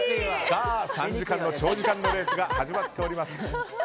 さあ、３時間の長時間レースが始まっております！